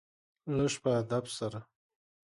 لږ په ادب سره .